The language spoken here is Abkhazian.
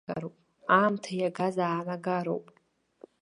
Аамҭа иагаз аанагароуп.